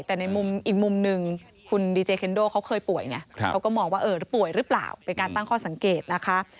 แต่ในมุมอีกมุมหนึ่งคุณดีเจเคนโดเขาเคยป่วยไงเขาก็มองว่าเออป่วยหรือเปล่าเป็นการตั้งข้อสังเกตนะคะ